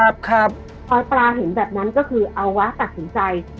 พอปลาเห็นแบบนั้นก็คือเอาวะตัดสินใจ